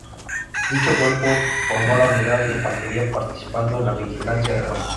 Dicho cuerpo formó la unidad de infantería participando en la vigilancia de Roma.